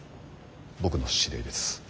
僕の知り合いです。